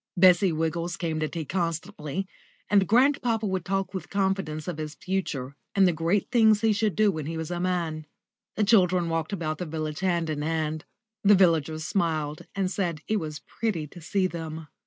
Bessie Wiggles came to tea constantly, and grandpapa would talk with confidence of his future and the great things he should do when he was a man. The children walked about the village hand in hand. The villagers smiled and said it was pretty to see them.